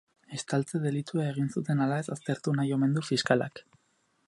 Estaltze delitua egin zuten ala ez aztertu nahi omen du fiskalak.